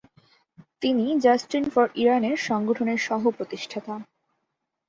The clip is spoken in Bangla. তিনি জাস্টিস ফর ইরানের সংগঠনের সহ-প্রতিষ্ঠাতা।